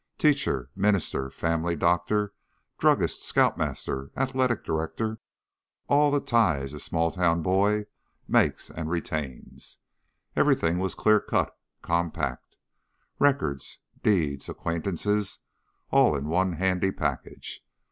Teacher ... minister ... family doctor ... druggist ... scoutmaster ... athletic director all the ties a small town boy makes and retains. Everything was clear cut, compact. Records, deeds, acquaintances all in one handy package.